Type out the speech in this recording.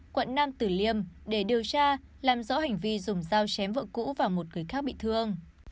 quận nam tử liêm để điều tra làm rõ hành vi dùng dao chém vợ cũ và một người khác bị thương